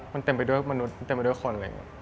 มันเต็มไปด้วยมนุษย์เต็มไปด้วยคน